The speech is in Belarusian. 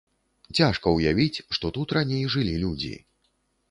Цяжка ўявіць, што тут раней жылі людзі.